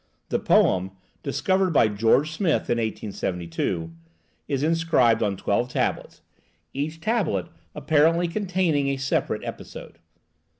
The poem (discovered by George Smith in 1872) is inscribed on twelve tablets, each tablet apparently containing a separate episode.